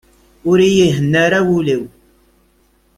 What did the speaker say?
Ur iyi-ihenna ara wul-w.